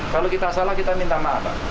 kalau kita salah kita minta maaf pak